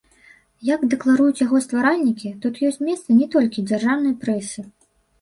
Як дэкларуюць яго стваральнікі, тут ёсць месца не толькі дзяржаўнай прэсе.